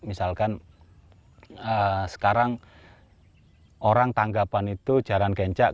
misalkan sekarang orang tanggapan itu jarang kencak